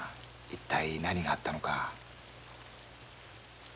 一体何があったのか。